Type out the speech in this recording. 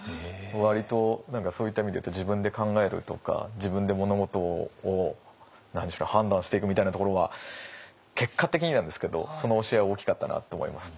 割とそういった意味で言うと自分で考えるとか自分で物事を判断していくみたいなところは結果的になんですけどその教えは大きかったなと思います。